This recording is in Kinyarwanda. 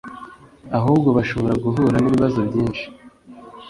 Ahubwo bashobora guhura n’ibibazo byinshi